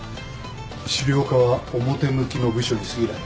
資料課は表向きの部署にすぎない。